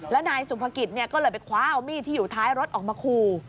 แล้วนายสุภกิจก็เลยไปคว้าเอามีดที่อยู่ท้ายรถออกมาขู่